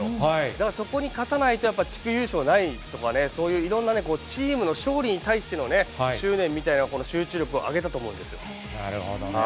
だからそこに勝たないと、地区優勝ないとかね、そういういろんなチームの勝利に対しての、執念みたいな、集中力なるほどね。